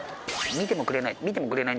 見てもくれない。